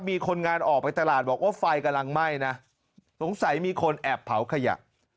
มีคนงานออกไปตลาดบอกว่าไฟกำลังไหม้นะสงสัยมีคนแอบเผาขยะ